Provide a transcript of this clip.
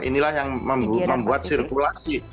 inilah yang membuat sirkulasi